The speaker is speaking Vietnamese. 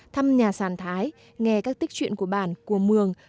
thăm nhà sản thái nghe các tích chuyện của bản của mường